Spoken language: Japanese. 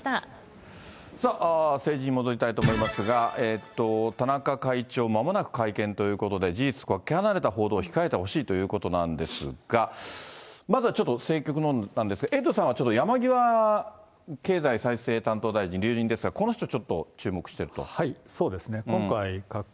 さあ、政治に戻りたいと思いますが、田中会長、まもなく会見ということで、事実とかけ離れた報道を控えてほしいということなんですが、まずはちょっと政局のなんですが、エイトさん、山際経済再生担当大臣、再任ですが、そうですね。